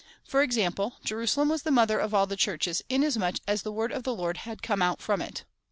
For ex ample, Jerusalem was the mother of all the Churches, inas much as the word of the Lord had come out from it.